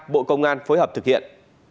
bộ công an phối hợp thực hiện